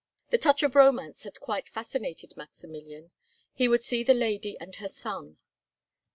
The touch of romance had quite fascinated Maximilian. He would see the lady and her son.